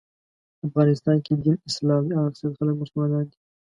افغانستان کې دین اسلام دی او اکثریت خلک مسلمانان دي.